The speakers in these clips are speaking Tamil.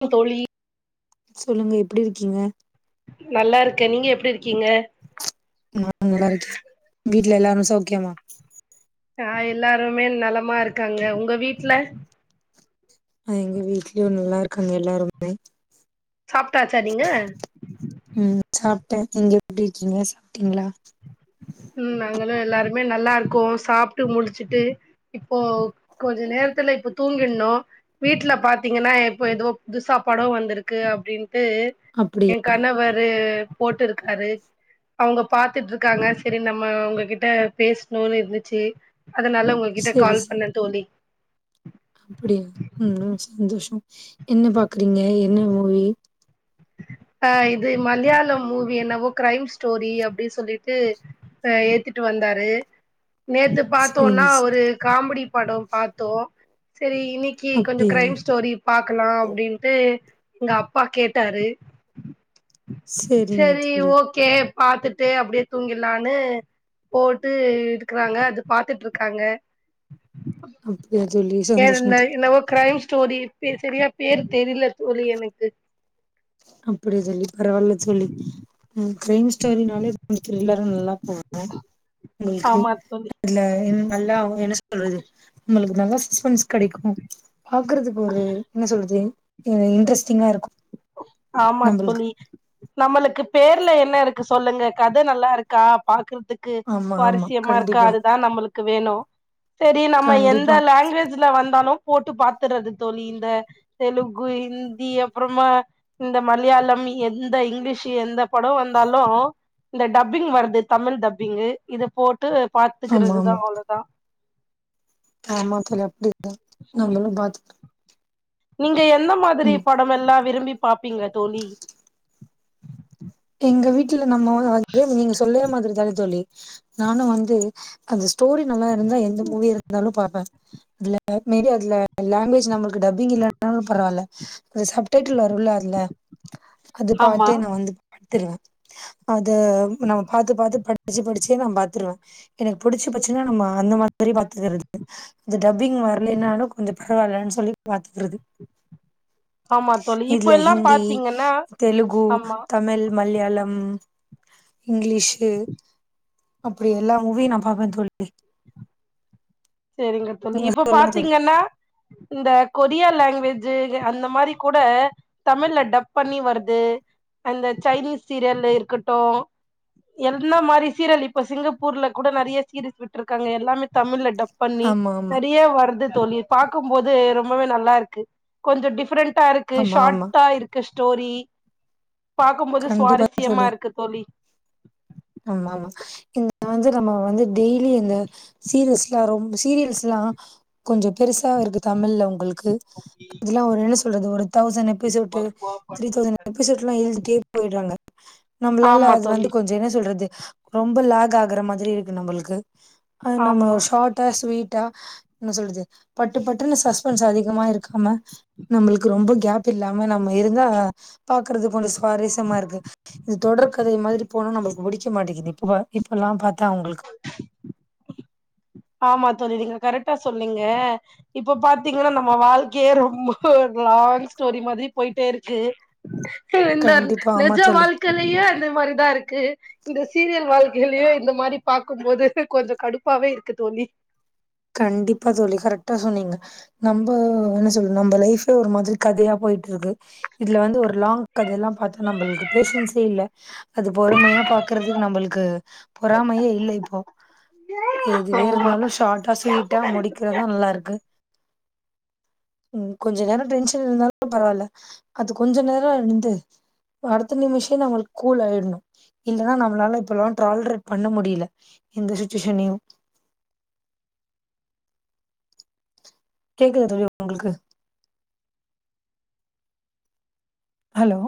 கு தோழி சொல்லுங்க எப்டி இருக்கீங்க நல்லா இருக்க நீங்க எப்டி இருக்கீங்க நா நல்லா இருக்க வீட்ல எல்லாரு சௌக்கியமா ஆ எல்லாருமே நலமா இருக்காங்க உங்க வீட்ல ஆ எங்க வீட்லயு நல்லா இருக்காங்க எல்லாருமே சாப்ட்டாச்சா நீங்க ம் சாப்ட்ட நீங்க எப்டி இருக்கீங்க சாப்ட்டீங்ளா ம் நாங்களு எல்லாருமே நல்லா இருக்கோ சாப்ட்டு முடிச்சுட்டு இப்போ கொஞ்ச நேரத்துல இப்ப தூங்கிட்ணு வீட்ல பாத்தீங்கன்னா இப்ப ஏதோ புதுசா படோ வந்திருக்கு அப்டின் டு எ அப்டியா கணவரு போட்டுருக்காரு அவங்க பாத்துட்ருக்காங்க சரி நம்ம உங்ககிட்ட பேசணுனு இருந்துச்சு அதனால உங்க கிட்ட செரி கால் செரி பண்ண தோழி அப்டியா ம் ம் சந்தோஷோ என்ன பாக்குறீங்க என்ன மூவி ஆ இது மத்யான மூவி என்னவோ க்ரைம் ஸ்டோரி அப்டி சொல்லிட்டு அ ஏத்துட்டு வந்தாரு நேத்து பாத்தோன்னா செரிங்க ஸ் ஒரு காமெடி படோ பாத்தோ சேரி இன்னிக்கி கொஞ்சோ அப்டியா க்ரைம் ஸ்டோரி பாக்கலா அப்டின்ட்டு எங்க அப்பா கேட்டாரு செரிங்க சரி தோழி ஓகே பாத்துட்டு அப்டியே தூங்கிலான்னு போட்டு இருக்குறாங்க அது பாத்துட்டு இருக்காங்க அப்டியா [unintelligible] தோழி இந்த சந்தோஷம் தோழி என்னமோ க்ரைம் ஸ்டோரி செ செரியா பேர் தெரில தோழி எனக்கு அப்படியா தோழி பரவால்ல தோழி ம் க்ரைம் ஸ்டோரினாலே கொஞ்ச த்ரில்லரா நல்லா போகு உங்களுக்கு ஆமா தோழி அதுல நல்லா என்ன சொல்றது உங்களுக்கு நல்லா சஸ்பென்ஸ் கடைக்கு பாக்குறதுக்கு ஒரு என்ன சொல்றது அ இன்ட்ரெஸ்டிங்கா இருக்கு ஆமா நம்மளுக்கு தோழி நம்மளுக்கு பேர்ல என்ன இருக்கு சொல்லுங்க கத நல்லா இருக்கா பாக்குறதுக் கு ஆமா ஆமா சுவாரசியமா இருக்கா கண்டிப்பா அதுதா நம்மளு கு வேணு சேரி நம்ம எந்த கண்டிப்பா லங்குவேஜ்ல வந்தாலு போட்டு பாத்துறது தோழி இந்த தெலுங்கு ஹிந்தி அப்புறமா இந்த மலையாளம் எந்த இங்லீஷ் எந்த படோ வந்தாலு இந்த டப்பிங் வருது தமிழ் டப்பிங்கு இத போட்டு ஆமா பாத்துக்கிறதுதா ஆமா அவ்ளதா ஆமா தோழி அப்டிதா நம்மலு பாத்துக்கலா நீங்க எந்த மாதிரி படம் எல்லா விரும்பி பாப்பீங்க தோழி எங்க வீட்ல நம்ம வந்து நீங்க சொல்லே மாதிரி தான தோழி நானு வந்து அந்த ஸ்டோரி நல்லா இருந்தா எந்த மூவி இருந்தாலு பாப்ப இல்ல மேரி அதுல லாங்குவேஜ் நம்மளுக்கு டப்பிங் இல்லாட்னாலு பரவால்ல அந்த சப் டைட்டில் வருல்ல அத்ல அது ஆமா பாத்து நா வந்து பாத்துருவ அத நம்ம பாத்து பாத்து படிச்சு படிச்சே நா பாத்துருவ எனக்கு புடிச்சிபெ போச்சுனா நம்ம அந்த மாதிரி பாத்துக்குறது இந்த டப்பிங் வர்லேன்னாலு கொஞ்ச பரவால்லன் சொல்லி பாத்துக்குறது ஆமா தோழி இப்ப எல்லா ஹிந்தி பாத்தீங்கன்னா தெலுகு ஆமா தமிழ் மல்யாளம் இங்கிலீஷு அப்படி எல்லா மூவியும் நா பாப்ப தோழி சேரிங்க தோழி நீங்க இப்ப சொல்லுங்க தோழி பாத்தீங்கன்னா இந்த கொரியா லாங்வேஜு அந்த மாரி கூட தமிழ்ல டப் பண்ணி வருது அந்த சைனீஸ் சீரியல்ல இருக்கட்டு என்ன மாரி சீரியல் இப்ப சிங்கப்பூர்ல கூட நறைய சீரிஸ் விட்ருக்காங்க எல்லாமே தமிழ்ல டப் பண்ணி ஆமா ஆமா சரியா வர்து தோழி பாக்கும்போது ரொம்பவே நல்லா இருக்கு கொஞ்சொ டிஃப்ரெண் ட்டா இருக்கு ஆமா ஆமா ஷாட்டா இருக்கு ஸ்டோரி பாக்கும்போது கண்டிப்பா சுவாரஸ்யமா இருக்கு தோழி ஆமாமா இந்த வந்து நம்ம வந்து டெய்லி இந்த சீரிஸ்லா ரொம்ப சீரியல்ஸ்லா கொஞ்சப் பெருசா இருக்கு தமிழ்ல உங்களுக்கு அதுல்லா ஒரு என்ன சொல்றது ஒரு தௌசண் எபிசோட்டு த்ரீ தௌசண் எபிசோட்லா எழுதிட்டே போய்ட்றாங்க நம்ப்ளால ஆமா அது வந்து தோழி கொஞ் ச என்ன சொல்றது ரொம்ப லாக் ஆகுற மாதிரி இருக்கு நம்மளுக்கு அது நம்ம ஆமா ஷாட் டா ஸ்வீட்டா என்ன சொல்றது பட்டு பட்டுன்னு சஸ்பென்ஸ் அதிகமா இருக்காமா நம்மளுக்கு ரொம்ப கேப் இல்லாம நம்ம இருந்தா அதா பாக்குறது கொஞ்சொ சுவாரஸ்யமா இருக்கு இது தொடர் கதை மாதிரி போனா நம்மளுக்கு புடிக்க மாட்டிக்கிது இப்ப இப்பல்லா பாத்தா உங்களுக்கு ஆமா தோழி நீங்க கரெக்ட்டா சொன்னீங்க இப்போ பாத்தீங்கன்னா நம்ம வாழ்க்கையே ரொம்ப ஒரு லாங் ஸ்டோரி மாதிரி போயிட்டே இருக்கு இந்தா கண்டிப்பா ஆமா நெஜொ தோழி வாழ்க்கலயே அந்த மாரிதா இருக்கு இந்த சீரியல் வாழ்க்கைலையு இந்த மாரி பாக்கம்போது கொஞ்சொ கடுப்பாவே இருக்கு தோழி கண்டிப்பா தோழி கரெக்ட்டா சொன்னீங்க நம்ப என்ன சொல்ல நம்ம லைஃபே ஒரு மாதிரி கதையா போய்ட் ருக்கு இதுல வந்து ஒரு லாங்க் கதல்லா பாத்தா நம்பளுக்கு பேஷன்ஸே இல்ல அது பொறுமையா பாக்குறதுக்கு நம்பளுக்கு பொறாமையே இல்ல இப்போ எதுவே ஆமா இருந்தாலு ஷாட்டா ஸ்வீட்டா முடிக்கிறதா நல்லா இருக்கு [inaudible] ம் கொஞ்ச நேரொ டென்ஷன் இருந்தாலு பரவால்ல அது கொஞ்ச நேரொ இருந்து அடுத்த நிமிஷொ நம்மளுக் கூல் ஆய்ட்ணு இல்லன்னா நம்ளால இப்பல்லா ட்ரால்ரேட் பண்ண முடில எந்த சுச்சுவேஷனையு கேக்குதா தோழி உங்கள்க்கு ஹலோ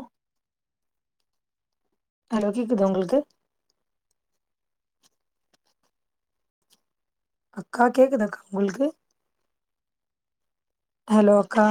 ஹலோ கேக்குதா உங்களுக்கு அக்கா கேக்குதாக்கா உங்கள்க்கு ஹெலோ அக்கா